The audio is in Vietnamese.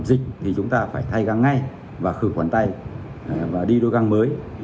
dịch thì chúng ta phải thay găng ngay và khử khuẩn tay và đi đôi găng mới